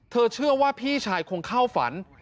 เชื่อว่าพี่ชายคงเข้าฝัน